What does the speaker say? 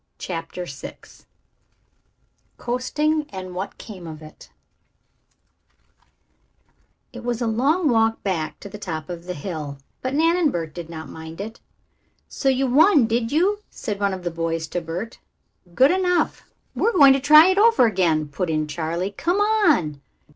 CHAPTER VI COASTING, AND WHAT CAME OF IT It was a long walk back to the top of the hill, but Nan and Bert did not mind it. "So you won, did you?" said one of the boys to Bert. "Good enough." "We are going to try it over again," put in Charley. "Come on."